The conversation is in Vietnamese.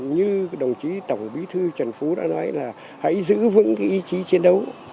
như đồng chí tổng bí thư trần phú đã nói là hãy giữ vững cái ý chí chiến đấu